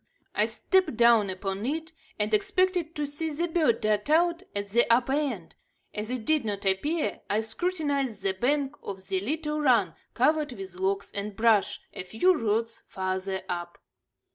I stepped down upon it and expected to see the bird dart out at the upper end. As it did not appear, I scrutinized the bank of the little run, covered with logs and brush, a few rods farther up.